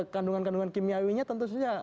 kandungan kandungan kimiawinya tentu saja